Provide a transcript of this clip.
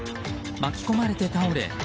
巻き込まれて倒れ